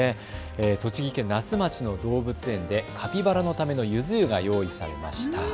栃木県那須町の動物園でカピバラのためのゆず湯が用意されました。